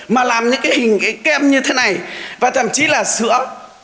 mà làm những cái hình cái kem như thế này và thậm chí là sữa